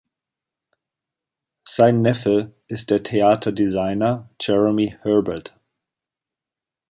Sein Neffe ist der Theaterdesigner Jeremy Herbert.